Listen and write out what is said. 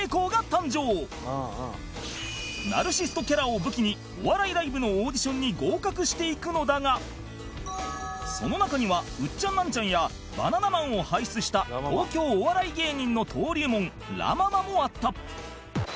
ナルシストキャラを武器にお笑いライブのオーディションに合格していくのだがその中にはウッチャンナンチャンやバナナマンを輩出した東京お笑い芸人の登竜門ラ・ママもあった